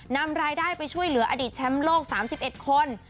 นำรายได้ไปช่วยเหลืออดีตแชมป์โลก๓๑คน